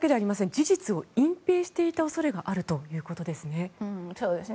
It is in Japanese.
事実を隠ぺいしていた恐れがあるということですね。